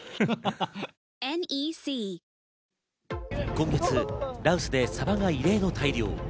今月、羅臼でサバが異例の大漁。